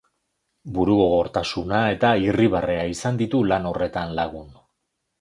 Burugogortasuna eta irribarrea izan ditu lan horretan lagun.